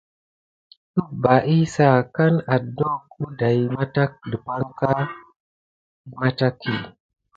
Əbba i sa kan adake wudaya depanka andoko mataki.